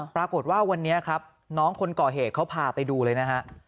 ปรากฏว่าวันนี้ครับน้องคนก่อเหตุเขาพาไปดูเลยนะฮะ